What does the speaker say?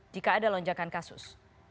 jika ada lonjakan kasus